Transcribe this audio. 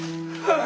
ああ！